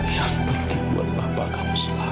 yang penting buat bapak kamu selalu